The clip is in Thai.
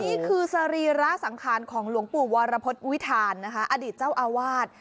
นี่คือสรีระสังขารของหลวงปู่วรพฤษวิทานนะคะอดีตเจ้าอาวาส